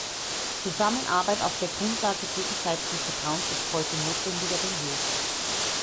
Zusammenarbeit auf der Grundlage gegenseitigen Vertrauens ist heute notwendiger denn je.